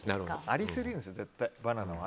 ありすぎるんですよ、バナナは。